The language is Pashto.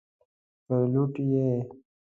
پیلوټ یې.